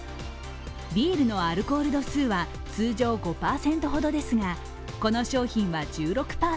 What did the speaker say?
ビールのアルコール度数は通常５％ほどですが、この商品は１６％。